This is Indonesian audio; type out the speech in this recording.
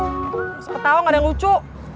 terus ketawa gak ada yang lucu